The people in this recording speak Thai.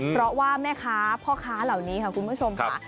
เพราะว่าแม่ค้าพ่อค้าเหล่านี้ค่ะคุณผู้ชมค่ะ